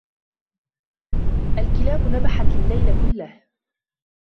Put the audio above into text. الكلاب نبحت الليل كله.